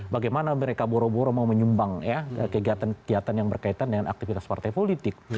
bagaimana mereka boro boro mau menyumbang ya kegiatan kegiatan yang berkaitan dengan aktivitas partai politik